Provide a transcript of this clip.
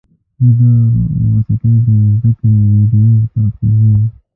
زه د موسیقۍ د زده کړې ویډیو تعقیبوم.